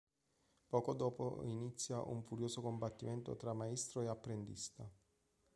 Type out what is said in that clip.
Poco dopo inizia un furioso combattimento tra maestro e apprendista.